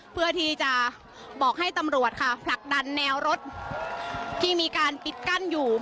เพื่อที่จะบอกให้ตำรวจค่ะผลักดันแนวรถที่มีการปิดกั้นอยู่